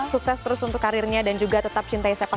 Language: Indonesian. sukses terus untuk karirnya dan juga tetap cintai sepak bola